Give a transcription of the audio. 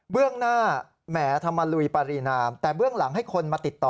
เรื่องหน้าแหมธรรมลุยปารีนามแต่เบื้องหลังให้คนมาติดต่อ